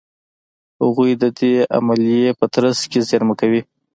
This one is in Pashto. هغوی د دې عملیې په ترڅ کې زېرمه کوي.